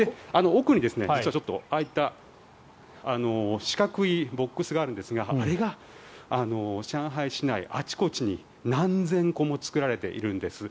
奥に実はちょっとああいった四角いボックスがあるんですがあれが上海市内あちこちに何千個も作られているんです。